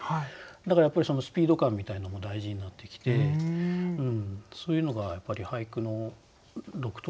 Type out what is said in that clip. だからやっぱりスピード感みたいのも大事になってきてそういうのがやっぱり俳句の独特のところでしょうね。